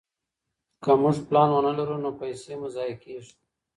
که موږ پلان ونه لرو نو پيسې مو ضايع کيږي.